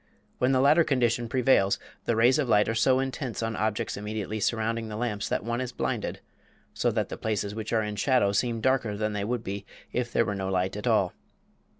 When the latter condition prevails the rays of light are so intense on objects immediately surrounding the lamps that one is blinded; so that the places which are in shadow seem darker than they would be if there were no light at all.